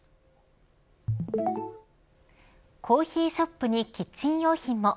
コーヒーショップにキッチン用品も。